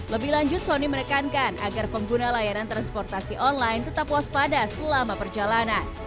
lebih lanjut sony menekankan agar pengguna layanan transportasi online tetap waspada selama perjalanan